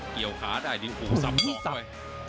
เกี่ยวค้าได้ดินคู่สับสอบด้วย